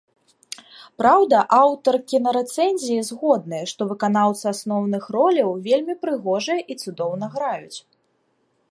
Праўда, аўтар кінарэцэнзіі згодны, што выканаўцы асноўных роляў вельмі прыгожыя і цудоўна граюць.